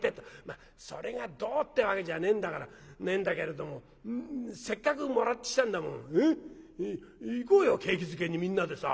まあそれがどうってわけじゃねえんだからねえんだけれどもせっかくもらってきたんだもんえっ行こうよ景気づけにみんなでさ。